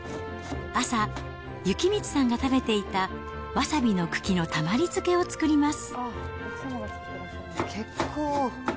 朝、幸光さんが食べていたわさびの茎のたまり漬けを作ります。